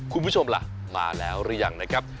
คุณผู้ชมล่ะมาแล้วหรือยังนะครับ